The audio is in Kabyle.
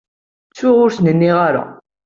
Ttuɣ ur asen-nniɣ ara.